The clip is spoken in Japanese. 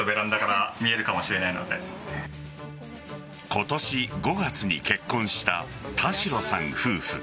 今年５月に結婚した田代さん夫婦。